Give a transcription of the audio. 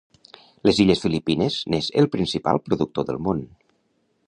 Les illes Filipines n'és el principal productor del món.